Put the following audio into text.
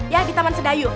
ya di taman sedayu